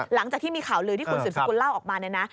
หลังจากที่มีข่าวลืนที่คุณสิบสิบคุณเล่าออกมา